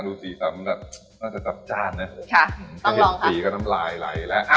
ดูสีสำแบบน่าจะจับจ้านน่ะค่ะต้องลองค่ะสีก็น้ำลายไหลแล้วอ่ะ